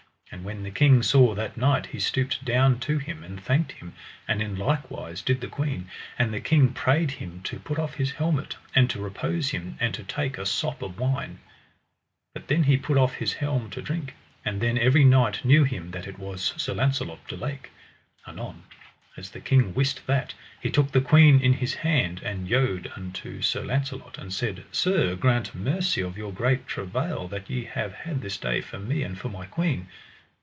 And when the king saw that knight, he stooped down to him, and thanked him, and in likewise did the queen; and the king prayed him to put off his helmet, and to repose him, and to take a sop of wine. And then he put off his helm to drink, and then every knight knew him that it was Sir Launcelot du Lake. Anon as the king wist that, he took the queen in his hand, and yode unto Sir Launcelot, and said: Sir, grant mercy of your great travail that ye have had this day for me and for my queen.